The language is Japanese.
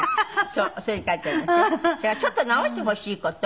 それからちょっと直してほしい事。